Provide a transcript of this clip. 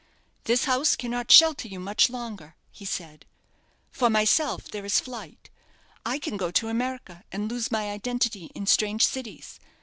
'This house cannot shelter you much longer,' he said. 'For myself there is flight. I can go to America, and lose my identity in strange cities.